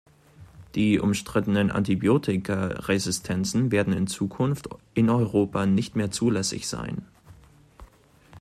Die umstrittenen Antibiotika-Resistenzen werden in Zukunft in Europa nicht mehr zulässig sein.